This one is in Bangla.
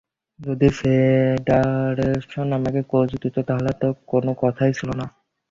যদি ফেডারেশন আমাকে কোচ দিত, তাহলে তো কোনো কথাই ছিল না।